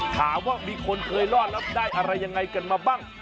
ถามว่ามีคนเคยรอดแล้วได้อะไรยังไงกันมาบ้าง